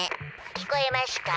「聞こえましゅか？」。